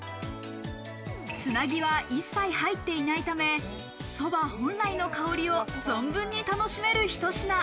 つなぎは一切入っていないため、そば本来の香りを存分に楽しめるひと品。